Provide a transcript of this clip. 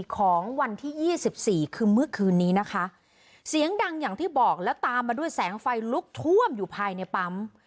ของวันที่ยี่สิบสี่คือเมื่อคืนนี้นะคะเสียงดังอย่างที่บอกแล้วตามมาด้วยแสงไฟลุกท่วมอยู่ภายในปั๊ม